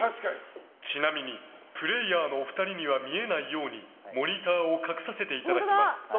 ちなみにプレーヤーのお二人には見えないようにモニターを隠させていただきます。